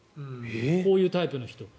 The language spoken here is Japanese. こういうタイプの人は。